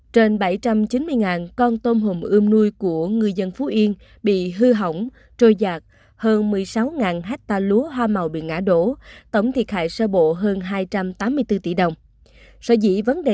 trên bảy trăm chín mươi con tôm hùm ươm nuôi của ngư dân phú yên bị hư hỏng trôi giặc hơn một mươi sáu hecta lúa hoa màu bị ngạc